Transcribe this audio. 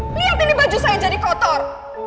lihat ini baju saya jadi kotor